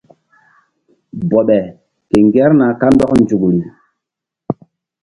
Bɔɓe ke ŋgerna kandɔk nzukri.